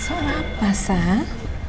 soal apa sah